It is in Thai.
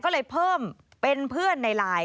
ก็เลยเพิ่มเป็นเพื่อนในไลน์